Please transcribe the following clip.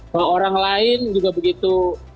bahwa orang lain juga begitu